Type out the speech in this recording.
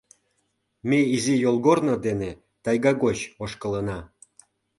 Ме изи йолгорно дене тайга гоч ошкылына.